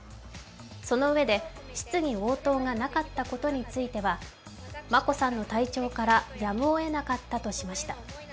そのうえで、質疑応答がなかったことについては眞子さんの体調からやむをえなかったとしました。